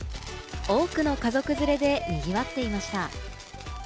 多くの家族連れで賑わっていました。